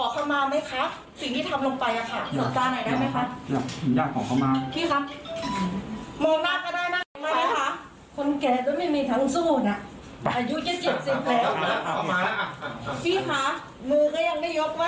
พี่ค่ะมือก็ยังไม่ยกไหว้เลยค่ะ